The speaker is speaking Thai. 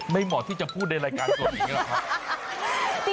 เหมาะที่จะพูดในรายการส่วนนี้หรอกครับ